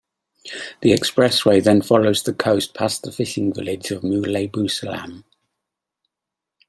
The expressway then follows the coast past the fishing village of Moulay Bouselham.